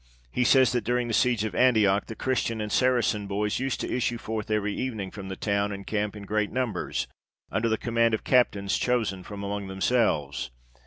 He says that, during the siege of Antioch, the Christian and Saracen boys used to issue forth every evening from the town and camp in great numbers, under the command of captains chosen from among themselves.